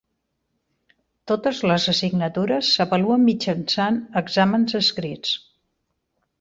Totes les assignatures s'avaluen mitjançant exàmens escrits.